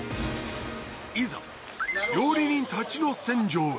いざ料理人たちの戦場へ